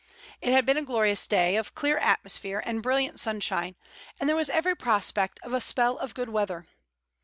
It had been a glorious day of clear atmosphere and brilliant sunshine, and there was every prospect of a spell of good weather.